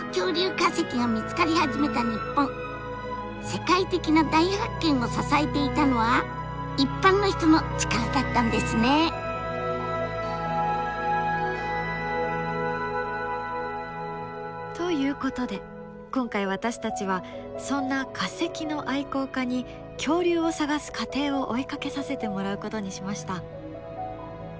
世界的な大発見を支えていたのは一般の人の力だったんですね！ということで今回私たちはそんな化石の愛好家に恐竜を探す過程を追いかけさせてもらうことにしました。